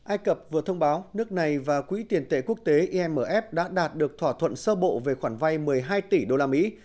ai cập vừa thông báo nước này và quỹ tiền tệ quốc tế imf đã đạt được thỏa thuận sơ bộ về khoản vay một mươi hai tỷ đô la mỹ